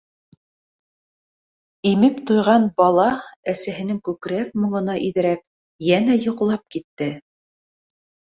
Имеп туйған бала әсәһенең күкрәк моңона иҙерәп, йәнә йоҡлап китте: